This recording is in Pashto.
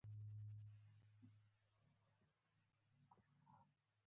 په ما يې غرض نشته که روپۍ درسره نه وي.